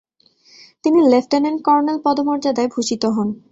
তিনি lieutenant colonel পদমর্যাদায় ভূষিত হন।